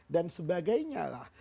dan sebagainya lah